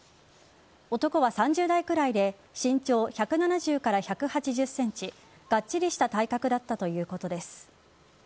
男は３０代くらいで身長１７０から１８０ｃｍがっちりした体格だったということです。